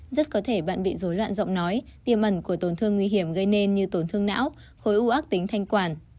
rất có thể bạn bị dối loạn giọng nói tiềm ẩn của tổn thương nguy hiểm gây nên như tổn thương não khối u ác tính thanh quản